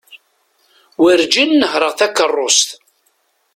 Werǧin nehreɣ takerrust.